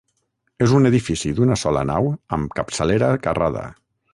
És un edifici d'una sola nau amb capçalera carrada.